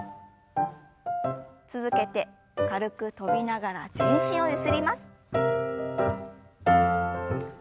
続けて軽く跳びながら全身をゆすります。